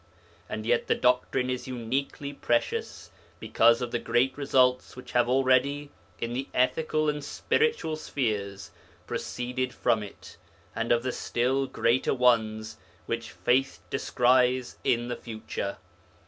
And yet the doctrine is uniquely precious because of the great results which have already, in the ethical and intellectual spheres, proceeded from it, and of the still greater ones which faith descries in the future.